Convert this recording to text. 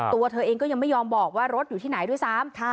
ตัวเธอเองก็ยังไม่ยอมบอกว่ารถอยู่ที่ไหนด้วยซ้ำ